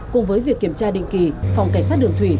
cùng với việc kiểm tra định kỳ phòng cảnh sát đường thủy